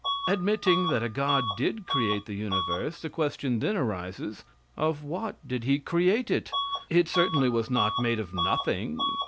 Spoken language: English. Admitting that a god did create the universe, the question then arises, of what did he create it? It certainly was not made of nothing.